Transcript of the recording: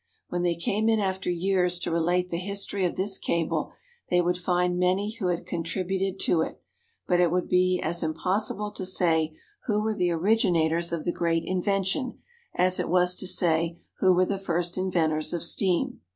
When they came in after years to relate the history of this cable, they would find many who had contributed to it, but it would be as impossible to say who were the originators of the great invention as it was to say who were the first inventors of steam.